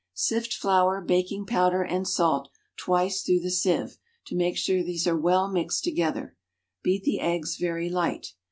Sift flour, baking powder and salt twice through the sieve, to make sure these are well mixed together. Beat the eggs very light.